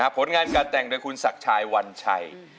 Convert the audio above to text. ผลงานการแต่งโดยครุนสักชัยวันชัย